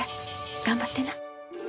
頑張ってな。